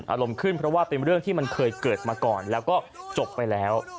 อารมณ์ขึ้นเพราะว่าเป็นเรื่องที่มันเคยเกิดมาก่อนแล้วก็จบไปแล้ว